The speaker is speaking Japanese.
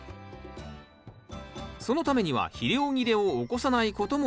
そのためには肥料切れを起こさないことも大事。